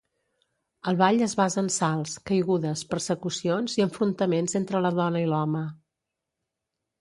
El ball es basa en salts, caigudes, persecucions i enfrontaments entre la dona i l'home.